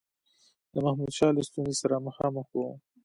د محمودشاه له ستونزي سره مخامخ وو.